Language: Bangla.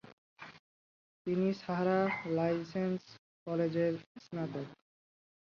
তিনি সারাহ লরেন্স কলেজের স্নাতক।